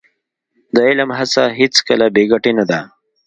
د علم هڅه هېڅکله بې ګټې نه ده.